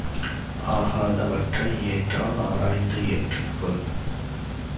ஆகாதவற்றை ஏற்றால் ஆராய்ந்து ஏற்றுக் கொள்.